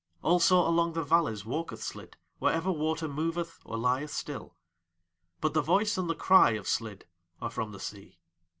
Also along the valleys walketh Slid, wherever water moveth or lieth still; but the voice and the cry of Slid are from the sea.